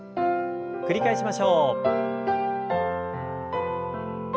繰り返しましょう。